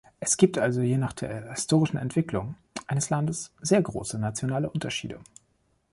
Es gibt also je nach der historischen Entwicklung eines Landes sehr große nationale Unterschiede.